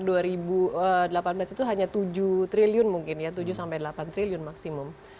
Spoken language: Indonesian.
dan itu hanya tujuh triliun mungkin ya tujuh sampai delapan triliun maksimum